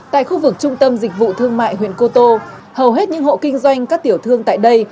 tại khu vực trung tâm dịch vụ thương mại huyện cô tô hầu hết những hộ kinh doanh các tiểu thương tại đây